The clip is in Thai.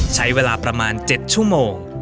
ใช้เวลาประมาณ๗ชั่วโมง